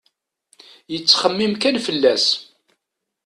Yettxemmim kan fell-as.